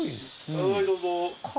はいどうぞ。